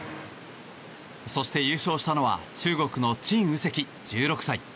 そして優勝したのは中国のチン・ウセキ、１６歳。